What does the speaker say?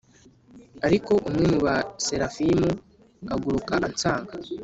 Ariko umwe mu Baserafimu aguruka ansanga,